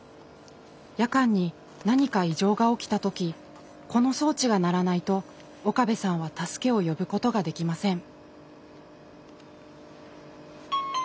夜間に何か異常が起きた時この装置が鳴らないと岡部さんは助けを呼ぶことができません。